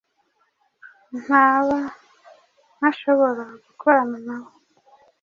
nkaba ntashobora gukorana na bo.